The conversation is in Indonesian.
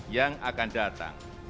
yang akan datang